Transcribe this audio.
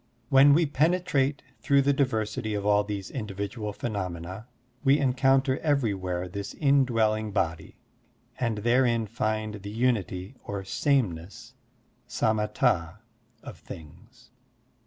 When we penetrate through the diversity of all these individual phenomena, we encotmter ever3rwhere this in dwelling Body and therein find the unity or sameness (samatd) of things.